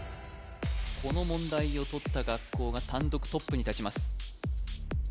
この問題をとった学校が単独トップに立ちます